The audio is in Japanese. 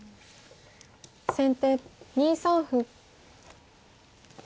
先手２三歩。